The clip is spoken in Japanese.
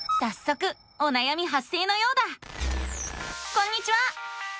こんにちは！